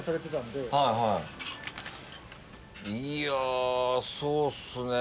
いやそうっすねぇ。